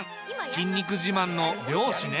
筋肉自慢の漁師ね。